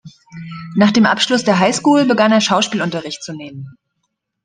Nach dem Abschluss der High School begann er Schauspielunterricht zu nehmen.